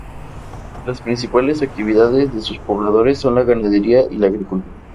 Las principales actividades de sus pobladores son la ganadería y la agricultura.